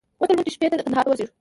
غوښتل مو شپې ته کندهار ته ورسېږو.